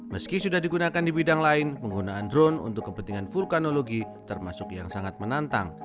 meski sudah digunakan di bidang lain penggunaan drone untuk kepentingan vulkanologi termasuk yang sangat menantang